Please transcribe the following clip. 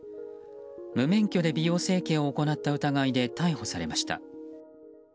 無免許で美容整形を行った疑いで逮捕されました。